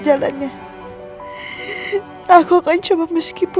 dan datang padaku